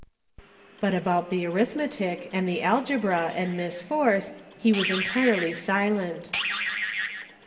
But about the arithmetic, and the algebra, and Miss Force, he was entirely silent.